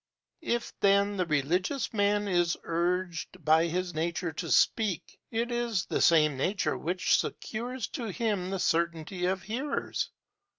If, then, the religious man is urged by his nature to speak, it is the same nature which secures to him the certainty of hearers.